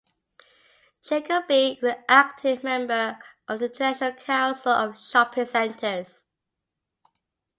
Jacoby is an active member of the International Council of Shopping Centers.